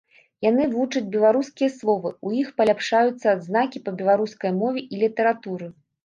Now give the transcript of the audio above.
Яны вучаць беларускія словы, у іх паляпшаюцца адзнакі па беларускай мове і літаратуры.